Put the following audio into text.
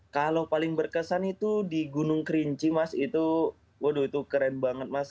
kalau paling berkesan itu di gunung kerinci mas itu waduh itu keren banget mas